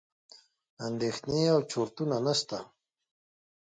اندېښنې او چورتونه نسته.